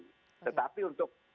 oke tetapi untuk kemudian